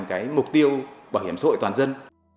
cái mục tiêu bảo hiểm xã hội toàn dân